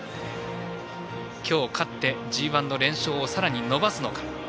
今日、勝ってＧＩの連勝をさらに伸ばすのか。